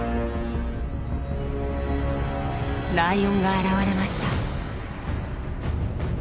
ライオンが現れました。